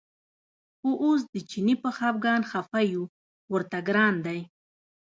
خو اوس د چیني په خپګان خپه یو ورته ګران دی.